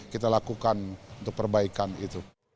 kita lakukan untuk perbaikan itu